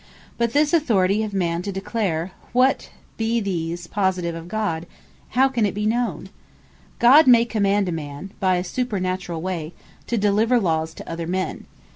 But this Authority of man to declare what be these Positive Lawes of God, how can it be known? God may command a man by a supernaturall way, to deliver Lawes to other men.